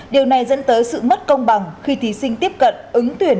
điều này dẫn tới sự mất công bằng khi thí sinh tiếp cận ứng tuyển